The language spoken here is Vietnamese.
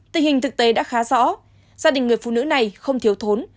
tình hình thực tế đã khá rõ gia đình người phụ nữ này không thiếu thốn